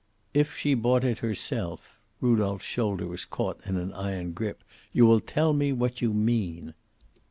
"If she bought it herself!" Rudolph's shoulder was caught in an iron grip. "You will tell me what you mean."